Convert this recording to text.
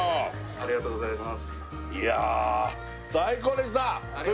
ありがとうございます